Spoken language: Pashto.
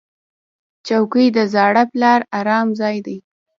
چوکۍ د زاړه پلار ارام ځای دی.